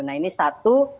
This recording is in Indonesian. nah ini satu